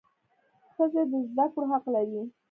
ښځي د زده کړو حق لري.